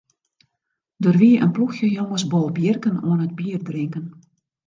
Der wie in ploechje jonges bolbjirken oan it bierdrinken.